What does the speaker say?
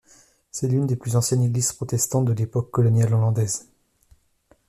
C'est l'une des plus anciennes églises protestantes de l'époque coloniale hollandaise.